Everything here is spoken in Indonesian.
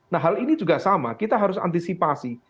nah hal ini juga sama kita harus antisipasi